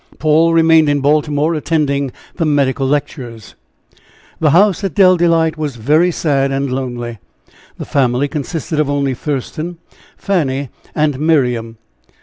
Paul remained in Baltimore, attending the medical lectures. The house at Dell Delight was very sad and lonely. The family consisted of only Thurston, Fanny and Miriam.